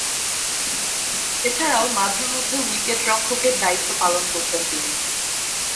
এছাড়াও, মাঝে-মধ্যে উইকেট-রক্ষকের দায়িত্ব পালন করতেন তিনি।